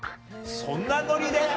そんなノリで？